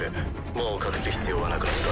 もう隠す必要はなくなった。